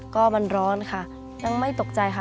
ก็มันร้อนค่ะยังไม่ตกใจค่ะ